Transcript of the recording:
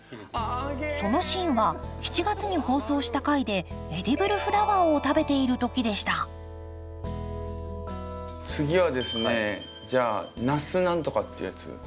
そのシーンは７月に放送した回でエディブルフラワーを食べている時でした次はですねじゃあナス何とかってやつ。